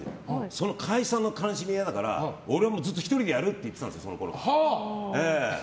その解散の悲しみが嫌だから俺はずっと１人でやるって言ってたんです。